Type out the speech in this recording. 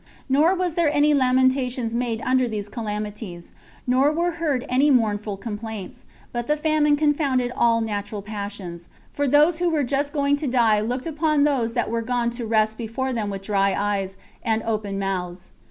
Nor was there any lamentations made under these calamities, nor were heard any mournful complaints; but the famine confounded all natural passions; for those who were just going to die looked upon those that were gone to rest before them with dry eyes and open mouths.